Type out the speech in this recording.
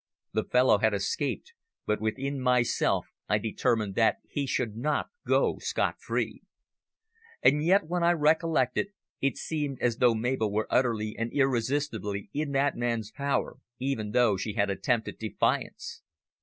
The fellow had escaped, but within myself I determined that he should not go scot free. And yet, when I recollected, it seemed as though Mabel were utterly and irresistibly in that man's power, even though she had attempted defiance.